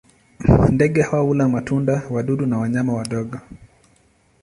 Ndege hawa hula matunda, wadudu na wanyama wadogo.